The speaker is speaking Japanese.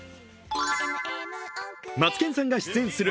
マツケンさんが出演する